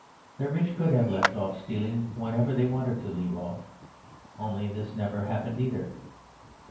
The rich could have left off stealing whenever they wanted to leave off, only this never happened either.